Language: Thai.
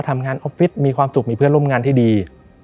มีความสุขมีเพื่อนร่วมงานที่ดี